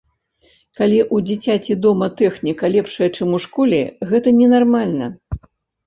Калі ў дзіцяці дома тэхніка лепшая, чым у школе, гэта ненармальна!